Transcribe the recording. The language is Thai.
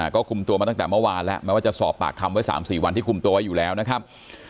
ก็คุมตัวมาตั้งแต่เมื่อวานแล้วแม้ว่าจะสอบปากคำไว้๓๔วันที่คุมตัวไว้อยู่แล้วนะครับ